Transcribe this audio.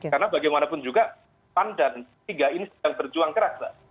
karena bagaimanapun juga pan dan p tiga ini sedang berjuang keras